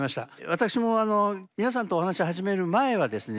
私もあの皆さんとお話を始める前はですね